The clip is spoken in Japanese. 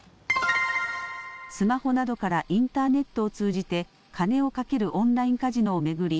スマホなどからインターネットを通じて金を賭けるオンラインカジノを巡り